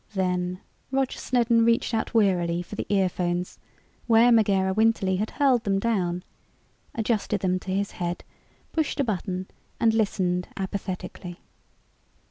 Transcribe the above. Then Roger Snedden reached out wearily for the earphones where Megera Winterly had hurled them down, adjusted them to his head, pushed a button and listened apathetically.